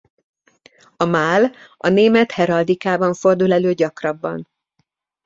A mál a német heraldikában fordul elő gyakrabban.